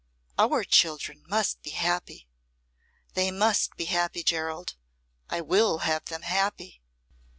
Our children must be happy they must be happy, Gerald. I will have them happy!"